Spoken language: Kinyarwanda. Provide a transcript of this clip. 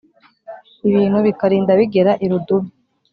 ibintu bikarinda bigera irudubi